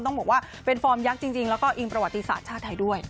ต้องบอกว่าเป็นฟอร์มยักษ์จริงแล้วก็อิงประวัติศาสตร์ชาติไทยด้วย